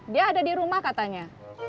dia ada di rumah katanya